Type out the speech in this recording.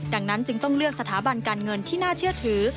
ดังนั้นจึงต้องเลือกสถาบันการเงินที่น่าเชื่อถือ